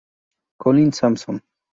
Colin Sampson.